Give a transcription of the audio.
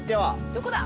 どこだ！